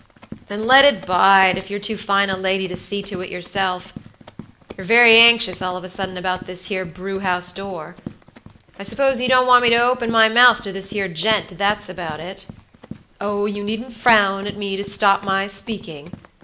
"Then let it bide, if you're too fine a lady to see to it yourself. You're very anxious all of a sudden about this here brew house door. I suppose you don't want me to open my mouth to this here gent, that's about it. Oh, you needn't frown at me to stop my speaking!